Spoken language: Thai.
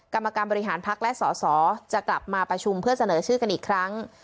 กรรมการบริหารพักและสอสอจะกลับมาประชุมเพื่อเสนอชื่อกันอีกครั้ง